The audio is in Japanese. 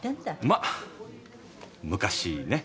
まっ昔ね。